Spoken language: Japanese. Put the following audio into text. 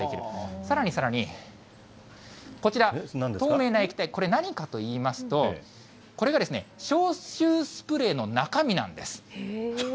さらにさらに、こちら、透明な液体、これ、何かといいますと、これが消臭スプレーの中身なんです。